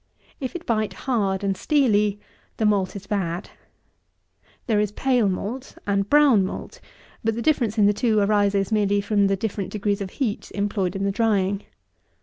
If it bite hard and steely, the malt is bad. There is pale malt and brown malt; but the difference in the two arises merely from the different degrees of heat employed in the drying.